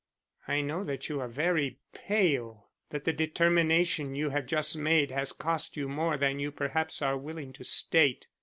"I know that you are very pale; that the determination you have just made has cost you more than you perhaps are willing to state.